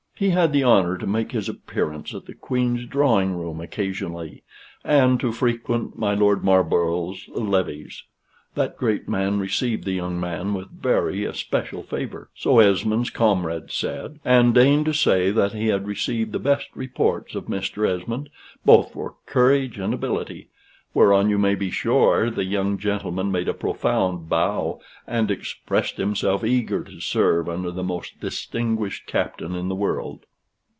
He had the honor to make his appearance at the Queen's drawing room occasionally, and to frequent my Lord Marlborough's levees. That great man received the young one with very especial favor, so Esmond's comrades said, and deigned to say that he had received the best reports of Mr. Esmond, both for courage and ability, whereon you may be sure the young gentleman made a profound bow, and expressed himself eager to serve under the most distinguished captain in the world.